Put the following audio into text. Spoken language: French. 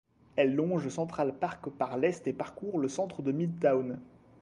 Elle longe Central Park par l'est et parcourt le centre de Midtown.